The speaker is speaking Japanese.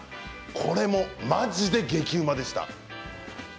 これもまじで激うまでした。